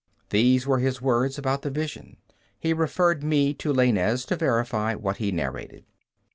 These were his words about the vision. He referred me to Laynez to verify what he narrated.